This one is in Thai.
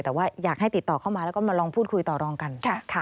แต่ว่าอยากให้ติดต่อเข้ามาแล้วก็มาลองพูดคุยต่อรองกัน